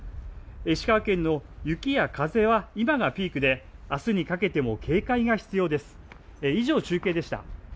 石川県の雪や風は今がピークで、あすにかけても警戒が必要です。